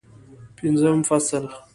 پنځم فصل